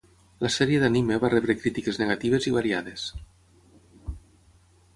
La sèrie d'anime va rebre crítiques negatives i variades.